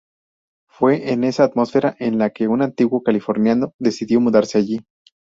Fue en esta atmósfera en la que un antiguo californiano decidió mudarse allí.